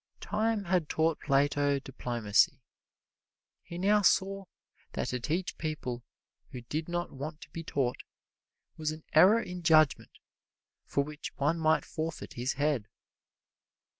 Time had taught Plato diplomacy. He now saw that to teach people who did not want to be taught was an error in judgment for which one might forfeit his head.